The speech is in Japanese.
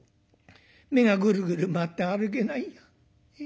目がぐるぐる回って歩けないや。